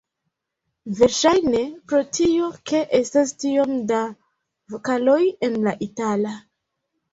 Verŝajne pro tio, ke estas tiom da vokaloj en la itala.